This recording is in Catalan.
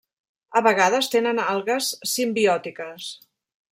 A vegades tenen algues simbiòtiques.